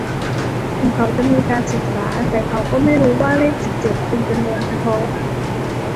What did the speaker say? ถึงเขาจะมีการศึกษา แต่เขาก็ไม่รู้ว่าเลขสิบเจ็ดเป็นจำนวนเฉพาะ